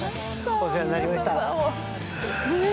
お世話になりました。